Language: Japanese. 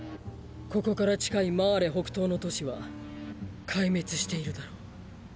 ここから近いマーレ北東の都市は壊滅しているだろう。